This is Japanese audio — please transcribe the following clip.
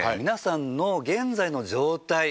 皆さんの現在の状態